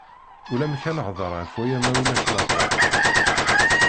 Ulamek ad nehder ɣef waya ma ulac later.